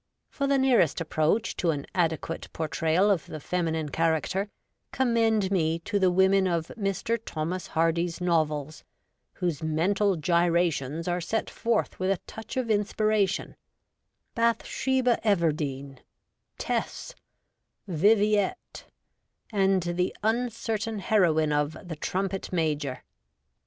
For the nearest approach to an adequate por trayal of the feminine character, commend me to the women of Mr. Thomas Hardy's novels, whose mental gyrations are set forth with a touch of in spiration : Bathsheba Everdene, Tess, Viviette, and the uncertain heroine of The Trumpet Major.